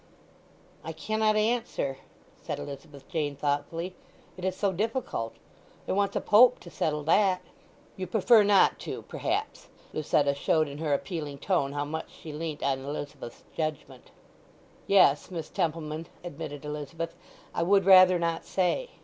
"I cannot answer," said Elizabeth Jane thoughtfully. "It is so difficult. It wants a Pope to settle that!" "You prefer not to perhaps?" Lucetta showed in her appealing tone how much she leant on Elizabeth's judgment. "Yes, Miss Templeman," admitted Elizabeth. "I would rather not say."